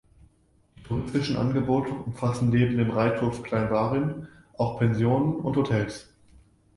Die touristischen Angebote umfassen neben dem Reiterhof in Klein Warin auch Pensionen und Hotels.